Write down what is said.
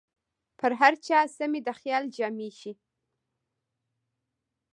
پر هر چا سمې د خیال جامې شي